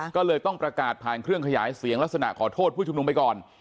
ก็เลยต้องประกาศผ่านเครื่องขยายเสียงลักษณะขอโทษผู้ชุมนุมไปก่อน